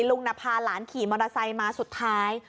ลุงน่ะพาหลานขี่มอเตอร์ไซค์มาสุดท้าย